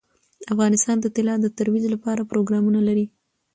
افغانستان د طلا د ترویج لپاره پروګرامونه لري.